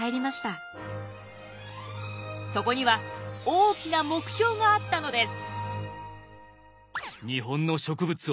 そこには大きな目標があったのです。